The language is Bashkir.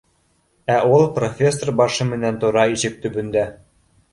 Ә ул профессор башы менән тора ишек төбөндә